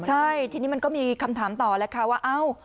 ใช่ทีนี้มันก็มีคำถามต่อแหละค่ะว่า